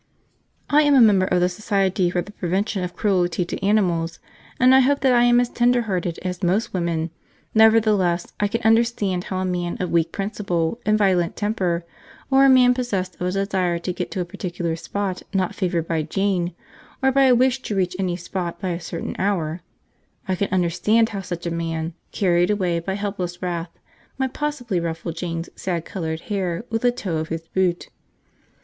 I am a member of the Society for the Prevention of Cruelty to Animals, and I hope that I am as tender hearted as most women; nevertheless, I can understand how a man of weak principle and violent temper, or a man possessed of a desire to get to a particular spot not favoured by Jane, or by a wish to reach any spot by a certain hour, I can understand how such a man, carried away by helpless wrath, might possibly ruffle Jane's sad coloured hair with the toe of his boot.